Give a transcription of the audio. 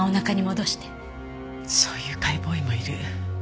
そういう解剖医もいる。